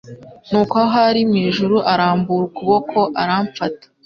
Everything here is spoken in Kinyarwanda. Nuko aho ari mu ijuru arambura ukuboko aramfata